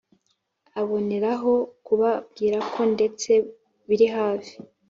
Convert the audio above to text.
aboneraho kubabwirako ndetse biri hafi